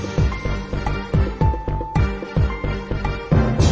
แต่ว่าน้ำมันมันจะเป็นถังลอย